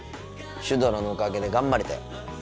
シュドラのおかげで頑張れたよ。